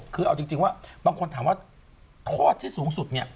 คือเอาจริงว่าบางคนถามว่าข้อที่สูงสุด